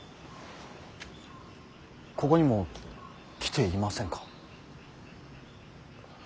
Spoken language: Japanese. ここにも来ていませんか。